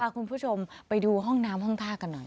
คุณผู้ชมไปดูห้องน้ำห้องท่ากันหน่อย